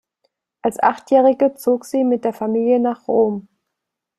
Als Achtjährige zog sie mit der Familie nach Rom.